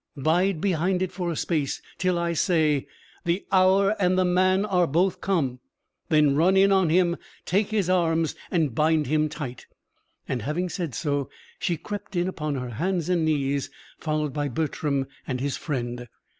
Bide behind it for a space, till I say The hour and the man are both come. Then run in on him, take his arms and bind him tight." And having said so, she crept in upon her hands and knees, followed by Bertram and his friend.